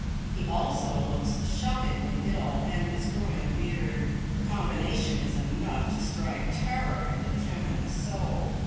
He also looks shockingly ill, and is growing a beard. The combination is enough to strike terror into the feminine soul.